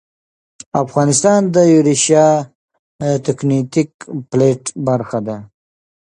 افغانستان د یوریشیا تکتونیک پلیټ برخه ده